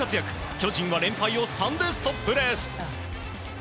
巨人は連敗を３でストップです。